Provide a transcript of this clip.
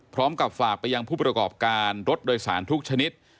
พร้อมกับฝากไปยังผู้ประกอบการรถโดยสารทุกชนิด